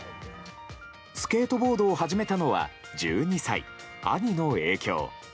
スケートボードを始めたのは１２歳、兄の影響。